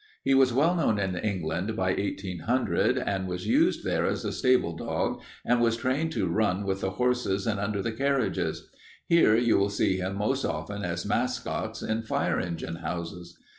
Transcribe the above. He was well known in England by 1800 and was used there as a stable dog and was trained to run with the horses and under the carriages. Here you will see them most often as mascots in fire engine houses.